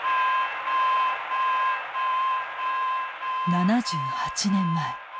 ７８年前。